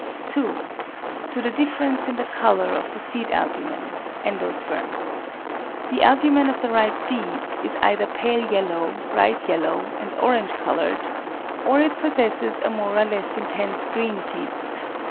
2. To the difference in the colour of the seed albumen (endosperm) } The albumen of the ripe seeds is either pale yellow, bright yellow and orange coloured, or it possesses a more or less intense green tint.